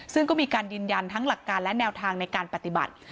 ซึ่งก็มีการยืนยันทั้งหลักการและแนวทางในการปฏิบัติ